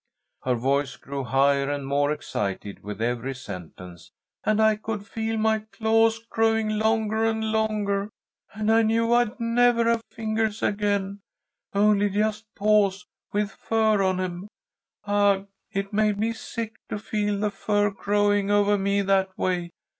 Her voice grew higher and more excited with every sentence. "And I could feel my claws growing longer and longer, and I knew I'd never have fingers again, only just paws with fur on 'em! Ugh! It made me sick to feel the fur growing over me that way.